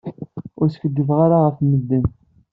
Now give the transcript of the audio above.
Ur skiddib ara ɣef medden.